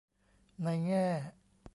ในแง่